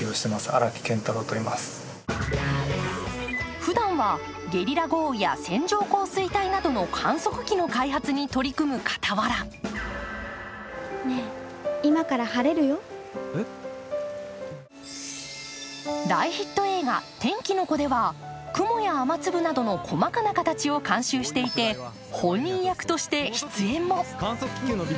ふだんはゲリラ豪雨や線状降水帯などの観測器の開発に取り組む傍ら大ヒット映画「天気の子」では雲や雨粒などの細かな形を監修していて、本人役として出演も。